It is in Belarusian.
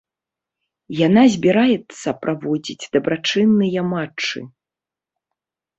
Яна збіраецца праводзіць дабрачынныя матчы.